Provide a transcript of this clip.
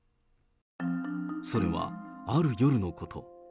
それはある夜のこと。